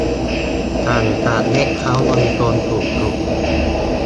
สั่งจากเว็บเขาโดยตรงถูกสุด